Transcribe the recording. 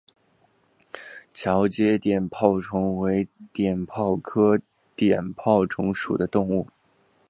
桥街碘泡虫为碘泡科碘泡虫属的动物。